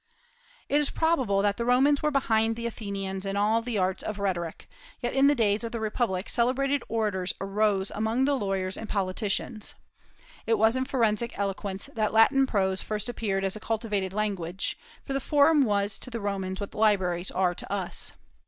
It is probable that the Romans were behind the Athenians in all the arts of rhetoric; yet in the days of the republic celebrated orators arose among the lawyers and politicians. It was in forensic eloquence that Latin prose first appeared as a cultivated language; for the forum was to the Romans what libraries are to us.